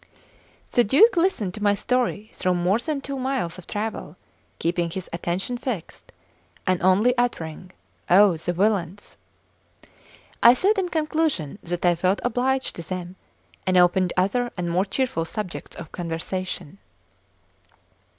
'" The Duke listened to my story through more than two miles of travel, keeping his attention fixed, and only uttering: "Oh, the villains!" I said, in conclusion, that I felt obliged to them, and opened other and more cheerful subjects of conversation.